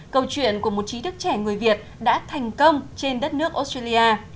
câu chuyện của một trí thức trẻ người việt đã thành công trên đất nước australia